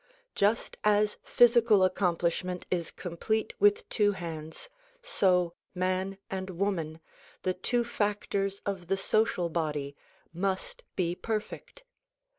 Just as physical accomplishment is complete with two hands, so man and woman, the two factors of the social body must be perfect.